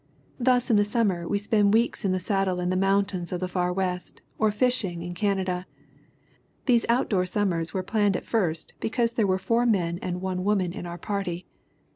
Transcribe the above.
"Thus in the summer we spend weeks in the saddle in the mountains of the Far West, or fishing in Canada. ... These outdoor summers were planned at first because there were four men and one woman in our^party.